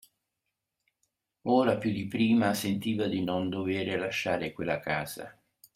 Ora più di prima sentiva di non dover lasciare quella casa.